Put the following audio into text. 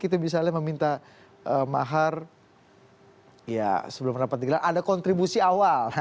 itu misalnya meminta mahar ya sebelum dapat dibilang ada kontribusi awal